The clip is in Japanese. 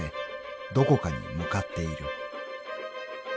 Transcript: どこかに向かっている］